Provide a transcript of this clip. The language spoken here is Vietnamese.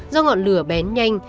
do ngọn lửa bén nhanh